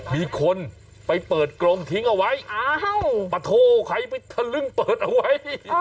มีคนไปเปิดกรงทิ้งเอาไว้ปะโทใครไปทะลึ่งเปิดเอาไว้